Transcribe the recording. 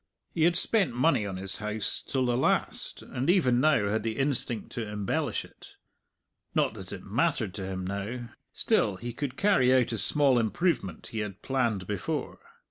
He had spent money on his house till the last, and even now had the instinct to embellish it. Not that it mattered to him now; still he could carry out a small improvement he had planned before.